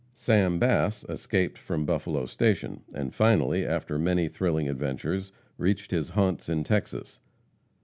Sam Bass escaped from Buffalo station, and finally, after many thrilling adventures, reached his haunts in Texas.